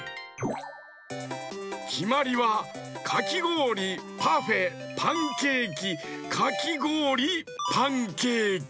きまりはかきごおりパフェパンケーキかきごおりパンケーキ。